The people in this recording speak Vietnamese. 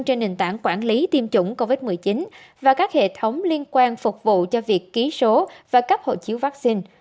trên nền tảng quản lý tiêm chủng covid một mươi chín và các hệ thống liên quan phục vụ cho việc ký số và cấp hộ chiếu vaccine